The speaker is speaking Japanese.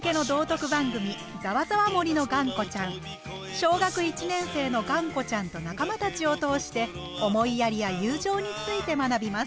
小学１年生のがんこちゃんと仲間たちを通して思いやりや友情について学びます。